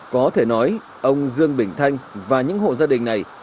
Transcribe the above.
có thể nói ông dương bình thanh và những hộ gia đình này